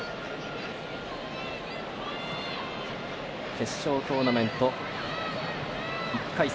決勝トーナメント、１回戦。